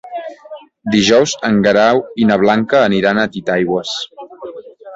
Dijous en Guerau i na Blanca aniran a Titaigües.